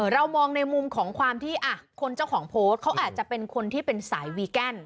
เรามองในมุมของความที่คนเจ้าของโพสต์เขาอาจจะเป็นคนที่เป็นสายวีแกน